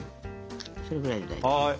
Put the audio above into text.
それぐらいで大丈夫。